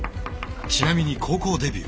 ちなみに高校デビュー。